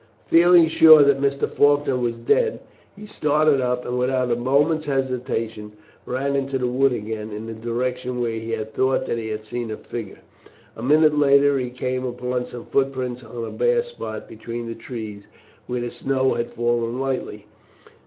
Feeling sure that Mr. Faulkner was dead he started up, and without a moment's hesitation ran into the wood again, in the direction where he had thought that he had seen a figure. A minute later he came upon some footprints on a bare spot between the trees, where the snow had fallen lightly.